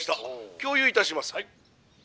共有いたします」。